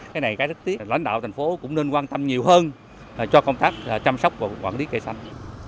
cái này cái rất tiếc lãnh đạo thành phố cũng nên quan tâm nhiều hơn cho công tác chăm sóc và quản lý cây xanh